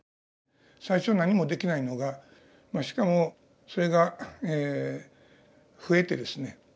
最初何もできないのがしかもそれが増えてですね